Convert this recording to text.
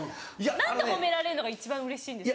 何て褒められるのが一番うれしいんですか？